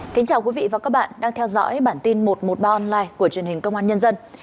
chào mừng quý vị đến với bản tin một trăm một mươi ba online của truyền hình công an nhân dân